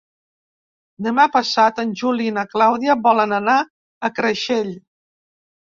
Demà passat en Juli i na Clàudia volen anar a Creixell.